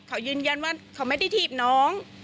เขายืนยันว่าเขาไม่ได้ถีบน้อง